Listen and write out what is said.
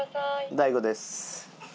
大悟です。